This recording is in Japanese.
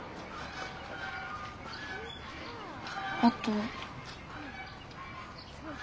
あと。